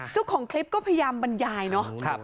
เจ้าของคลิปก็พยายามบรรยายเนอะ